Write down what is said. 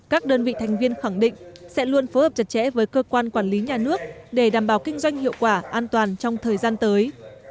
các đơn vị thành viên khẳng định sẽ luôn phối hợp chặt chẽ với cơ quan quản lý nhà nước để đảm bảo kinh doanh hiệu quả an toàn trong thời gian tới